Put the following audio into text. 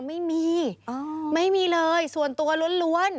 ไม่มีไม่มีเลยส่วนตัวล้วน